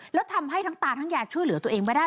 แล้วทำให้ทั้งตาทั้งยายช่วยเหลือตัวเองไม่ได้